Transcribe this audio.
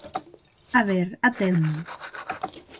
A ver, atende.